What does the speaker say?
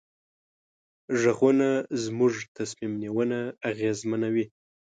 غږونه زموږ تصمیم نیونه اغېزمنوي.